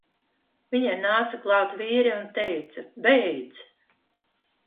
Viņai nāca klāt vīri un teica: "Beidz!"